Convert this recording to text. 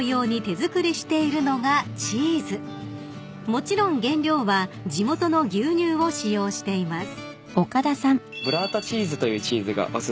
［もちろん原料は地元の牛乳を使用しています］